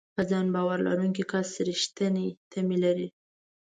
په ځان باور لرونکی کس رېښتینې تمې لري.